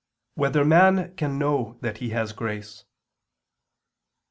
5] Whether Man Can Know That He Has Grace?